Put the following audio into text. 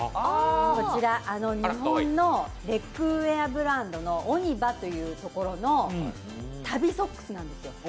日本のレッグウェアブランドのＯｎｙｖａというところの足袋ソックスなんですよ。